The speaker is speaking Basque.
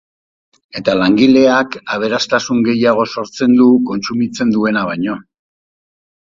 Eta langileak aberastasun gehiago sortzen du kontsumitzen duena baino.